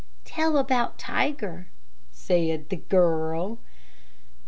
"Tell about Tiger," said the girl.